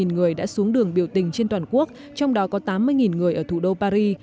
một mươi người đã xuống đường biểu tình trên toàn quốc trong đó có tám mươi người ở thủ đô paris